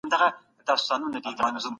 زه هر وخت له خپل ملګري سره خبرې کوم.